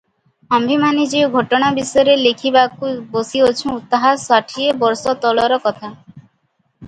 ଆମ୍ଭେମାନେ ଯେଉଁ ଘଟଣା ବିଷୟ ଲେଖିବାକୁ ବସିଅଛୁଁ, ତାହା ଷାଠିଏ ବର୍ଷ ତଳର କଥା ।